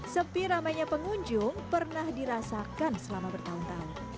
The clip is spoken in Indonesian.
sepi ramainya pengunjung pernah dirasakan selama bertahun tahun